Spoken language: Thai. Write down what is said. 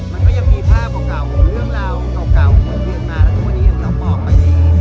มันก็ยังมีภาพเก่าเรื่องราวเก่าคุณเพื่อนมาแล้วทุกวันนี้ยังยอมปลอบไปดี